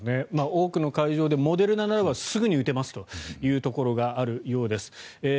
多くの会場でモデルナならばすぐに打てますというところがあるようです。